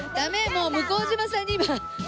もう向島さんに今。